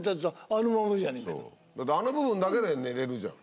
そうあの部分だけで寝れるじゃん。